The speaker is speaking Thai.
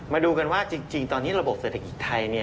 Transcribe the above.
มาดูกันว่าจริงตอนนี้ระบบเศรษฐกิจไทย